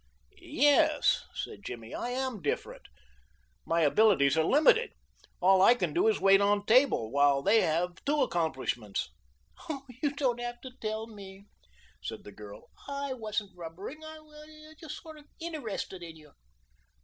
"Yes," said Jimmy, "I am different. My abilities are limited. All I can do is wait on table, while they have two accomplishments." "Oh, you don't have to tell me," said the girl. "I wasn't rubbering. I was just sort of interested in you."